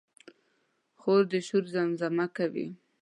خور د شعر زمزمه کوي.